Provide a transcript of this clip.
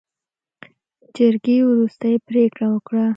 جرګې وروستۍ پرېکړه وکړه.